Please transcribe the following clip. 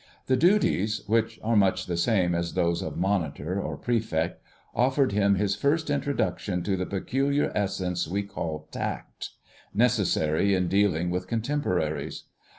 The duties (which are much the same as those of monitor or prefect) offered him his first introduction to the peculiar essence we call tact, necessary in dealing with contemporaries.